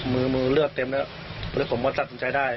มือเลือกเต็มแล้วแล้วผมว่าตัดสัญญาณได้